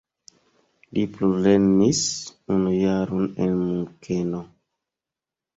Li plulernis unu jaron en Munkeno.